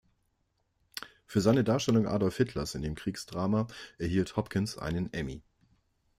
Für seine Darstellung Adolf Hitlers in dem Kriegsdrama erhielt Hopkins einen Emmy.